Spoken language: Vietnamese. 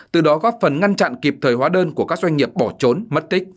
từ đó góp phần ngăn chặn kịp thời hóa đơn của các doanh nghiệp bỏ trốn mất tích